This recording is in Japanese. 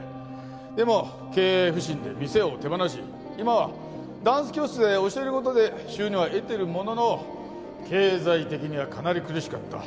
でも経営不振で店を手放し今はダンス教室で教える事で収入は得ているものの経済的にはかなり苦しかった。